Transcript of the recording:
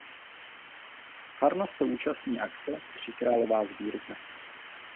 Farnost se účastní akce Tříkrálová sbírka.